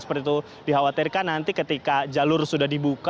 seperti itu dikhawatirkan nanti ketika jalur sudah dibuka